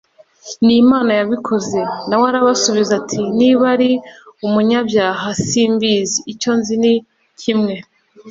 ni Imana yabikoze. Na we arabasubiza ati: «Niba ari umunyabyaha simbizi, icyo nzi ni kimwe.